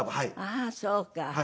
ああーそうか。